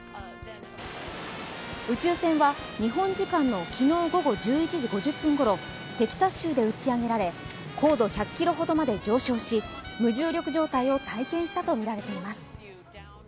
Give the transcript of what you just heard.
宇宙船は日本時間の昨日午後１１時５０分ごろ、テキサス州で打ち上げられ、高度１００ｋｍほどまで上昇し無重力状態を体験したとみられています。